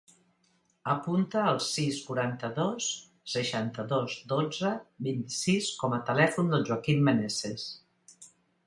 Apunta el sis, quaranta-dos, seixanta-dos, dotze, vint-i-sis com a telèfon del Joaquín Meneses.